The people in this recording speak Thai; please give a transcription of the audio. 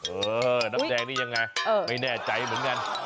เออน้ำแดงนี่ยังไงไม่แน่ใจเหมือนกัน